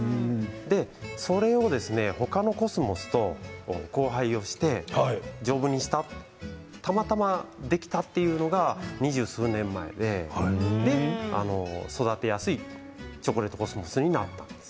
それを他のコスモスと交配をして丈夫にして、たまたまできたというのが二十数年前で育てやすいチョコレートコスモスになったんです。